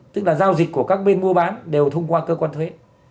tức là giao dịch của các bên mua bán đều thông qua cơ quan thuế